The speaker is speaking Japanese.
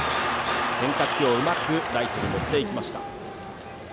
変化球をうまくライトへ持っていきました。